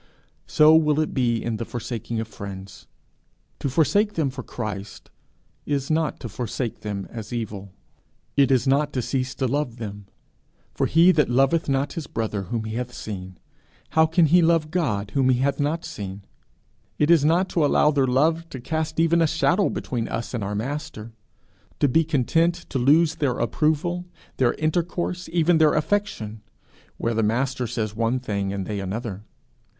So will it be in the forsaking of friends. To forsake them for Christ, is not to forsake them as evil. It is not to cease to love them, 'for he that loveth not his brother whom he hath seen, how can he love God whom he hath not seen?' it is not to allow their love to cast even a shadow between us and our Master; to be content to lose their approval, their intercourse, even their affection, where the Master says one thing and they another.